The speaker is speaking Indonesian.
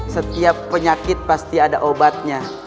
setiap penyakit pasti ada obatnya